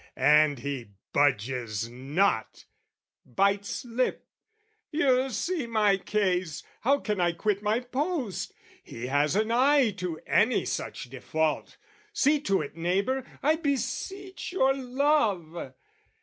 and he budges not, bites lip, "You see my case: how can I quit my post? "He has an eye to any such default. "See to it, neighbour, I beseech your love!"